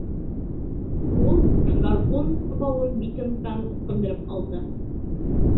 Ул гарпун бауын битенгтан ысҡындырып алды.